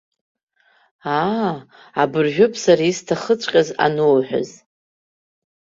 Аа, абыржәоуп сара исҭахыҵәҟьаз ануҳәаз.